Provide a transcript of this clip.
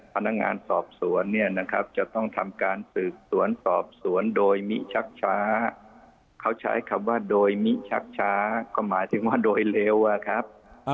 พนักงานสอบสวนเนี่ยนะครับจะต้องทำการสืบสวนสอบสวนโดยมิชักช้าเขาใช้คำว่าโดยมิชักช้าก็หมายถึงว่าโดยเร็วอะครับ